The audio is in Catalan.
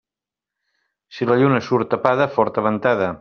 Si la lluna surt tapada, forta ventada.